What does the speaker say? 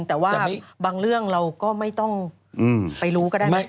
แต่ว่าบางเรื่องเราก็ไม่ต้องไปรู้ก็ได้ไหม